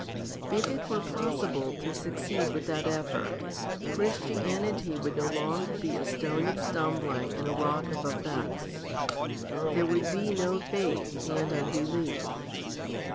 21. If it were possible to succeed without effort, Christi anity would no longer be a stone of stumbling and a rock of offence^ There would be no faith and unbelief.